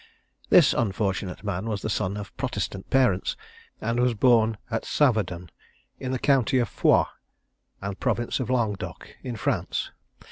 This unfortunate man was the son of Protestant parents, and was born at Saverdun, in the county of Foix, and province of Languedoc, in France.